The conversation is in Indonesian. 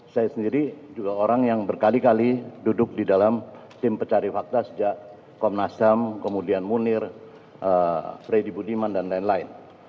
saya sendiri juga orang yang berkali kali duduk di dalam tim pencari fakta sejak komnas ham kemudian munir freddy budiman dan lain lain